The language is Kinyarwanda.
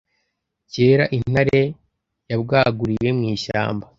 kera intare yabwaguriye mu ishyamba